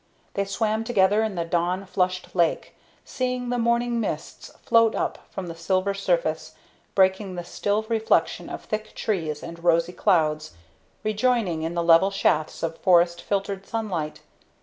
They swam together in the dawn flushed lake, seeing the morning mists float up from the silver surface, breaking the still reflection of thick trees and rosy clouds, rejoicing in the level shafts of forest filtered sunlight.